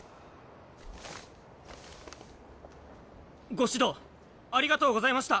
ご指導ありがとうございました！